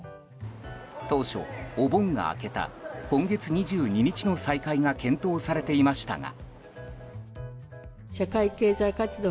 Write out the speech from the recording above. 当初、お盆が明けた今月２２日の再開が検討されていましたが。